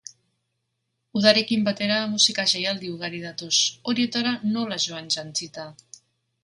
Udarekin batera musika jaialdi ugari datoz, horietara nola joan jantzita?